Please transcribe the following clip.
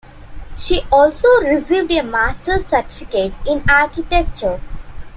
She also received a Master's certificate in Architecture.